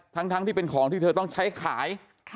ทั้งที่เป็นของที่เธอต้องใช้ขาย